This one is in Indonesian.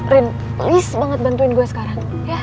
rin least banget bantuin gue sekarang